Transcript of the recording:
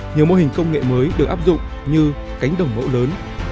nhiều mô hình công nghệ mới được áp dụng như cánh đồng mẫu lớn